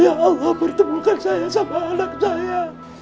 ya allah pertemukan saya sama anak saya